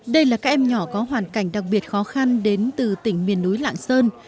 đây là các em nhỏ có hoàn cảnh đặc biệt khó khăn đến từ tỉnh miền núi lạng sơn